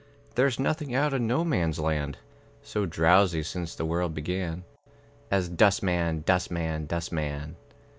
There's nothing out of No man's land So drowsy since the world began, As "Dustman, dustman, Dustman."